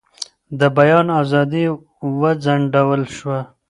د بیان ازادي وځنډول شوه.